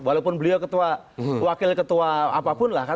walaupun beliau ketua wakil ketua apapun lah